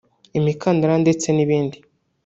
imikandara ndetse n’ibindi